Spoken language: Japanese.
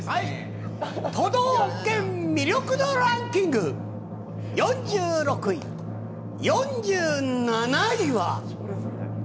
都道府県魅力度ランキング４６位、４７位は。